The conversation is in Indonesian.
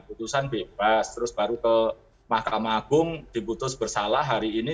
putusan bebas terus baru ke mahkamah agung diputus bersalah hari ini